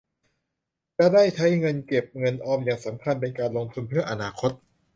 จะได้ใช้เงินเก็บเงินออมอย่างสำคัญเป็นการลงทุนเพื่ออนาคต